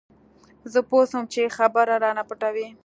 زه پوه سوم چې خبره رانه پټوي.